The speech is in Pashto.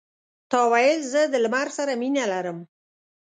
تا ویل زه د لمر سره مینه لرم.